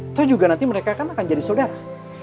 atau juga nanti mereka akan jadi saudara